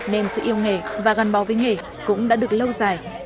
nên sự yêu nghề và gắn bó với nghề cũng đã được lâu dài